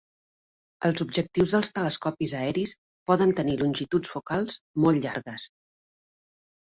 Els objectius dels telescopis aeris podien tenir longituds focals molt llargues.